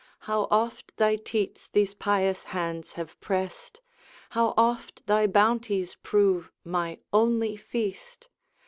How oft thy teats these pious hands have pressed! How oft thy bounties prove my only feast!